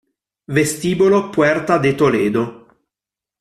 Vestibolo Puerta de Toledo